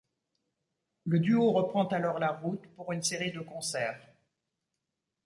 Le duo reprend alors la route pour une série de concerts.